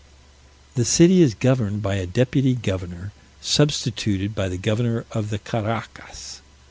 The city is governed by a deputy governor, substituted by the governor of the Caraccas.